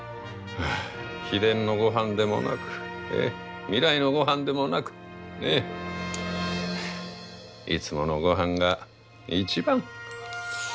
秘伝のごはんでもなく未来のごはんでもなくいつものごはんが一番！